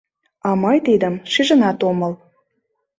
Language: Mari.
А мый тидым шижынат омыл...